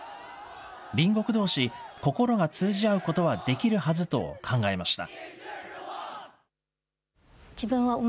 隣国どうし、心が通じ合うことはできるはずと考えました。